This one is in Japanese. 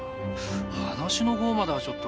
話のほうまではちょっと。